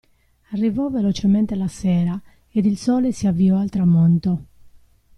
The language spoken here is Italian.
Arrivò velocemente la sera, ed il sole si avviò al tramonto.